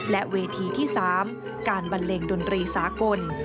และเวทีที่๓การบันเลงดนตรีสากล